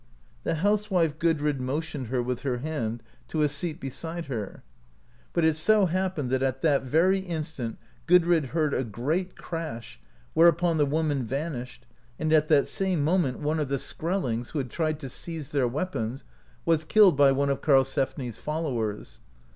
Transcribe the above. The housewife, Gudrid, motioned her with her hand to a seat beside her; but it so happened, that at that very instant Gudrid heard a great crash, whereupon the woman vanished, and at that same moment one of the Skrell 94 A BATTLE WITH THE SKRBLUNGS ings, who had tried to seize their weapons, was killed by one of Karlsefni's followers.